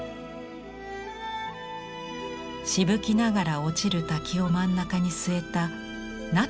しぶきながら落ちる滝を真ん中に据えた那智の風景。